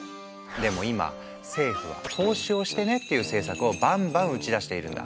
でも今政府は「投資をしてね」っていう政策をバンバン打ち出しているんだ。